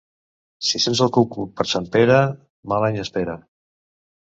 Si sents el cucut per Sant Pere, mal any espera.